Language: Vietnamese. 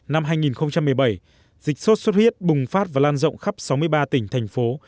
năm hai nghìn một mươi bảy dịch sốt xuất huyết bùng phát và lan rộng khắp sáu mươi ba tỉnh thành phố